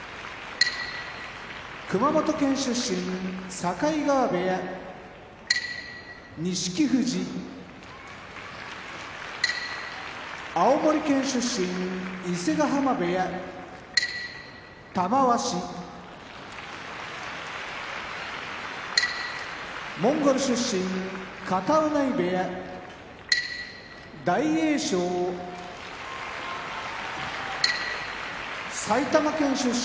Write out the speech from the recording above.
境川部屋錦富士青森県出身伊勢ヶ濱部屋玉鷲モンゴル出身片男波部屋大栄翔埼玉県出身